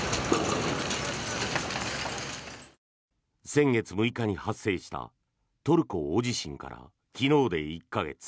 先月６日に発生したトルコ大地震から昨日で１か月。